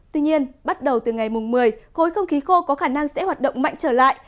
tuy nhiên bắt đầu từ ngày một mươi khối không khí khô có khả năng sẽ hoạt động mạnh trở lại